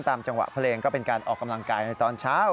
จังหวะเพลงก็เป็นการออกกำลังกายในตอนเช้า